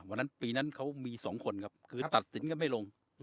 วันนั้นปีนั้นเขามี๒คนครับคือตัดสินกันไม่ลง